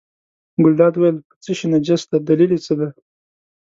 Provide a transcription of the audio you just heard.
ګلداد وویل په څه شي نجس دی دلیل یې څه دی.